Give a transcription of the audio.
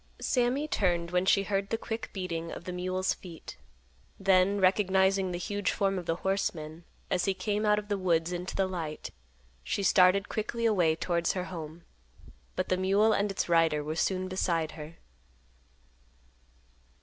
Sammy turned when she heard the quick beating of the mule's feet; then, recognizing the huge form of the horseman, as he came out of the woods into the light, she started quickly away towards her home; but the mule and its rider were soon beside her.